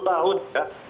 sepuluh tahun ya